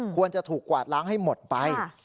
ควรจะถูกกวาดล้างให้หมดไป